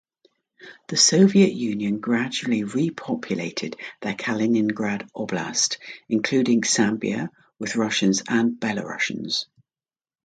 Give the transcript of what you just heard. The Soviet Union gradually repopulated the Kaliningrad Oblast, including Sambia, with Russians and Belarusians.